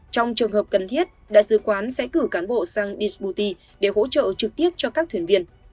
trong trường hợp cần thiết đại sứ quán sẽ cử cán bộ sang dsputy để hỗ trợ trực tiếp cho các thuyền viên